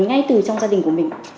ngay từ trong gia đình của mình